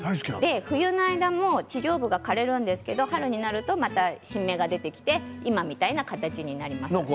冬の間も枯れるんですけど春になれば新芽が出てきて今みたいな形になります。